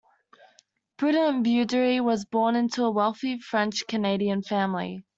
Prudent Beaudry was born into a wealthy French Canadian family.